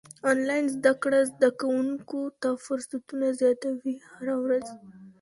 انلاين زده کړه زده کوونکو ته فرصتونه زياتوي هره ورځ.